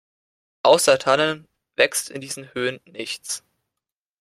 Außer Tannen wächst in diesen Höhen nichts.